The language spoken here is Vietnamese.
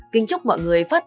kính chúc mọi người phát triển